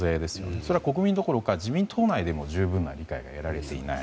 これは国民の中だけでなく自民党内でも十分な理解が得られていない。